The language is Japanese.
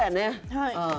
はい。